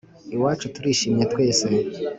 iwacu turishimye twese